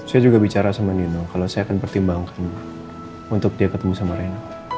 saya juga bicara sama nino kalau saya akan pertimbangkan untuk dia ketemu sama reno